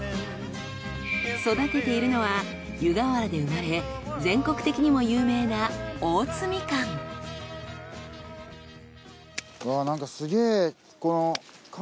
育てているのは湯河原で生まれ全国的にも有名なうわぁなんかすげぇ。